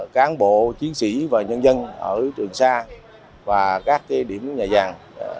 cán bộ chiến sĩ và nhân dân ở trường xa và các điểm nhà vàng